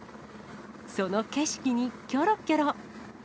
その景色にきょろきょろ。